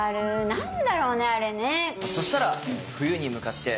何だろうねあれね。